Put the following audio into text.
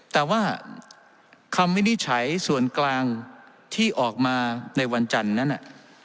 แต่ว่าคำวินิจฉัยส่วนกลางที่ออกมาในวันจันทร์นั้น